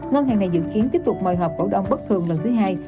ngân hàng này dự kiến tiếp tục mời họp cổ đông bất thường lần thứ hai